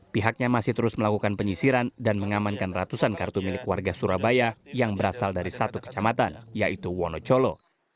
pihaknya masih terus melakukan penyisiran dan mengamankan ratusan kartu milik warga surabaya yang berasal dari satu kecamatan yaitu wonocolo